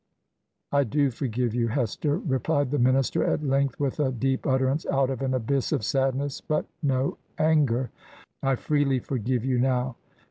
'I do forgive you, Hester?' re plied the minister, at length, with a deep utterance, out of an abyss of sadness, but rib anger. 'I freely for give you now.